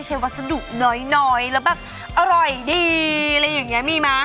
วัสดุน้อยแล้วแบบอร่อยดีอะไรอย่างนี้มีไหม